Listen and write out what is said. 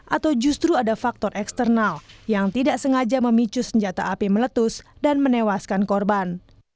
atau justru ada faktor eksternal yang tidak sengaja memicu senjata api meletus dan menewaskan korban